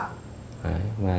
cũng rội rửa